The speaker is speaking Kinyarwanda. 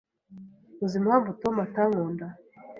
Uzi impamvu Tom atankunda?